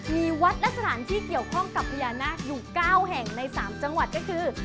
มีวัดและสถานที่เกี่ยวข้องกับพญานาคอยู่๙แห่งใน๓จังหวัดก็คือ